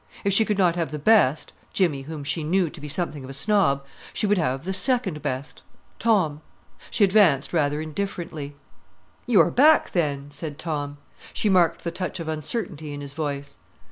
If she could not have the best—Jimmy, whom she knew to be something of a snob—she would have the second best, Tom. She advanced rather indifferently. "You are back, then!" said Tom. She marked the touch of uncertainty in his voice.